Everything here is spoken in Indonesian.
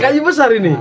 kayu besar ini